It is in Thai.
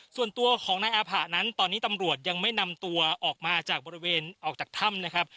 ส่วนตัวของนายอาผะนั้นตอนนี้ตำรวจยังไม่นำตัวออกมาจากบริเวณออกจากถ้ำนะครับ